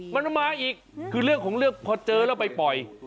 มันมาอีกคือเรื่องของเรื่องพอเจอแล้วไปปล่อย